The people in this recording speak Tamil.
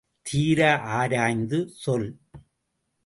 தீர ஆராய்ந்து சொல்!